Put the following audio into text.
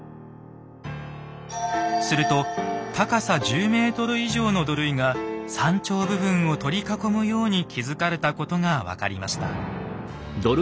すると高さ１０ｍ以上の土塁が山頂部分を取り囲むように築かれたことが分かりました。